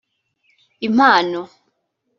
Impano